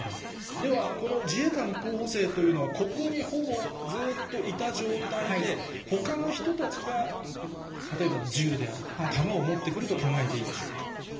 では、この自衛官候補生というのは、ここにほぼずっといた状態で、ほかの人たちが、例えば、銃であるとか、弾を持ってくると考えていいでしょうか。